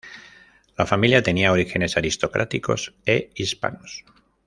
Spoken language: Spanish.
La familia tenía orígenes aristocráticos e hispanos.